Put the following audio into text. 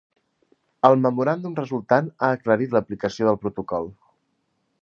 El memoràndum resultant ha aclarit l'aplicació del protocol.